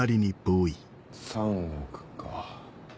３億か。